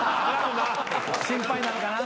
心配なんかな。